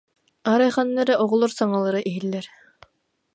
Арай ханна эрэ оҕолор саҥалара иһиллэр: